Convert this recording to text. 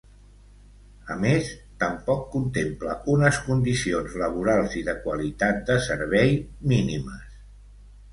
A més, tampoc contempla unes condicions laborals i de qualitat de servei mínimes.